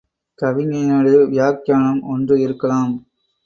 கவிஞனது வியாக்யானம் ஒன்று இருக்கலாம்.